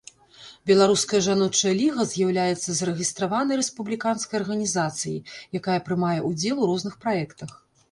Беларуская жаночая ліга з'яўляецца зарэгістраванай рэспубліканскай арганізацыяй, якая прымае ўдзел у розных праектах.